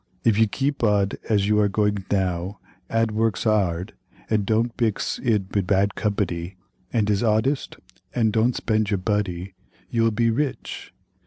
If you keep od as you are goidg dow, ad works hard, ad dod't bix id bad cobpady, ad is hodest, ad dod't spend your buddy, you will be rich.